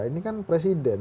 ini kan presiden